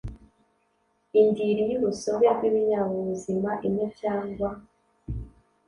Indiri y urusobe rw ibinyabuzima imwe cyangwa